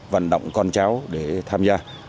vận động con cháu để tham gia